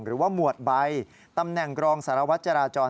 หมวดใบตำแหน่งกรองสารวัตรจราจร